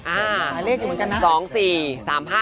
หลายเลขอยู่เหมือนกันนะ